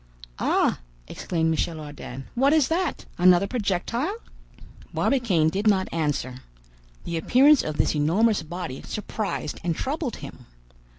"Ah!" exclaimed Michel Ardan, "What is that? another projectile?" Barbicane did not answer. The appearance of this enormous body surprised and troubled him.